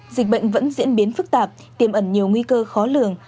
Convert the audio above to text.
dịch bệnh vẫn diễn biến phức tạp tiềm ẩn nhiều nguy cơ khó lường